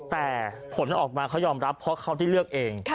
แต่ผลออกมาเขายอมรับเพราะเขาได้เลือกเอง